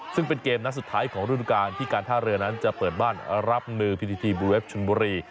ซึ่งเป็นเกมนัดสุดท้ายของฤดูการที่การท่าเรือนั้นจะเปิดบ้านรับมือพิธีทีบลูเวฟชนบุรี